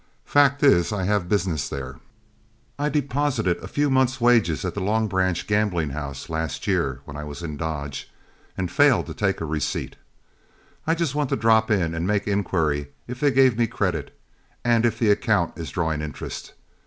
Fact is I have business there; I deposited a few months' wages at the Long Branch gambling house last year when I was in Dodge, and failed to take a receipt. I just want to drop in and make inquiry if they gave me credit, and if the account is drawing interest.